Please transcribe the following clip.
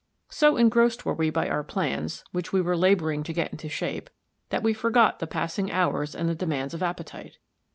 So engrossed were we by our plans, which we were laboring to get into shape, that we forgot the passing hours and the demands of appetite.